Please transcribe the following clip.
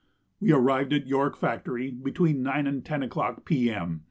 We arrived at York Factory between 9 and 10 o'clock, P.M.